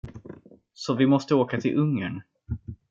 Så vi måste åka till Ungern.